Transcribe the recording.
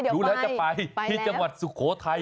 ดูแล้วจะไปที่จังหวัดสุโขทัย